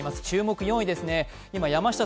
注目、４位ですね。